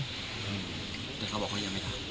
แต่เขาบอกเขายังไม่ได้